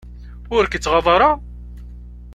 Ur k-ittɣaḍ ara?